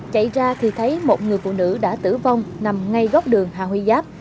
chạy ra thì thấy một người phụ nữ đã tử vong nằm ngay góc đường hà huy giáp